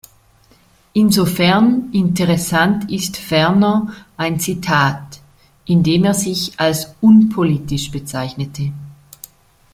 Insofern interessant ist ferner ein Zitat, in dem er sich als »unpolitisch« bezeichnete.